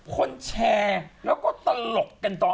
คนแชร์แล้วก็ตลกกันตอน